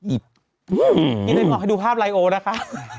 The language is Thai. อีน้ายพี่ออกให้ดูภาพไลโอนะคะ